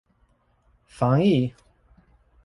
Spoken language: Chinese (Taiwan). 防疫